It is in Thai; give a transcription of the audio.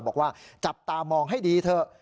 บอกว่าจับตามองให้ดีเถอะ